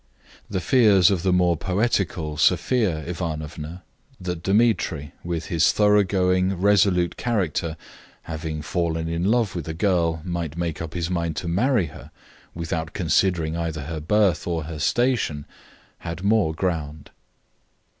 The fears of the more poetical Sophia Ivanovna, that Dmitri, with his thoroughgoing, resolute character, having fallen in love with a girl, might make up his mind to marry her, without considering either her birth or her station, had more ground.